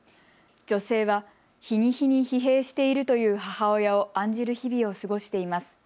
女性は日に日に疲弊しているという母親を案じる日々を過ごしています。